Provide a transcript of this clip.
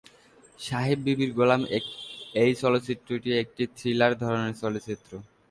সাহেব বিবি গোলাম এই চলচ্চিত্রটি একটি থ্রিলার ধরনের চলচ্চিত্র।